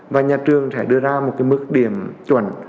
và nhà trường sẽ đưa ra một cái mức điểm chuẩn